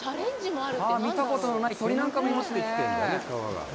見たことのない鳥なんかもいますね。